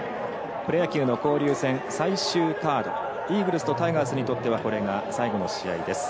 プロ野球の交流戦最終カードイーグルスとタイガースにとってはこれが最後の試合です。